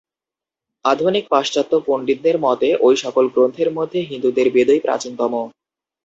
আধুনিক পাশ্চাত্য পণ্ডিতদের মতে ঐ-সকল গ্রন্থের মধ্যে হিন্দুদের বেদই প্রাচীনতম।